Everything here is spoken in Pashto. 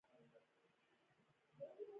پاخه شین پاڼي سابه